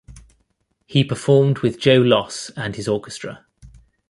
He performed with Joe Loss and his orchestra.